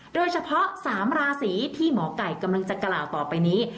โดยเฉพาะ๓ราศีที่หมอไก่กำลังจะกล่าวต่อไปนี้